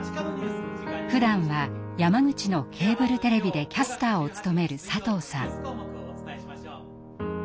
ふだんは山口のケーブルテレビでキャスターを務める佐藤さん。